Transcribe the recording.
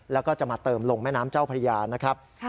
แล้วก็จะมาเติมลงแม่น้ำเจ้าพระยานะครับ